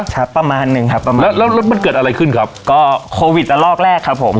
ประมาณหนึ่งครับประมาณแล้วแล้วมันเกิดอะไรขึ้นครับก็โควิดละลอกแรกครับผม